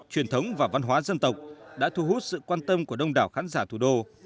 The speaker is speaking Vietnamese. truyền thống và văn hóa dân tộc đã thu hút sự quan tâm của đông đảo khán giả thủ đô